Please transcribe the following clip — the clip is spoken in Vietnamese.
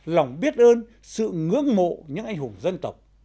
lòng biết ơn sự ngưỡng mộ những anh hùng dân tộc